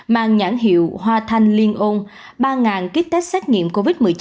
mang nhãn hiệu hoa thanh liên ôn ba ký test xét nghiệm covid một mươi chín